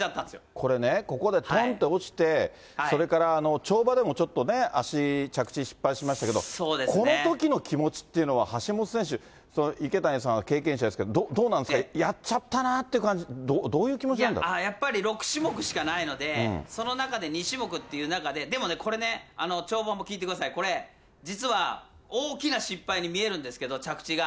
これね、ここでとんって落ちて、それから跳馬でもちょっとね、足、着地失敗しましたけど、このときの気持ちっていうのは、橋本選手、池谷さんは経験者ですけど、どうなんですか、やっちゃったなって感じ、いや、やっぱり６種目しかないので、その中で２種目っていう中で、でもね、これね、跳馬も、聞いてください、これ、実は大きな失敗に見えるんですけど、着地が。